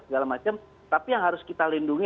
segala macam tapi yang harus kita lindungi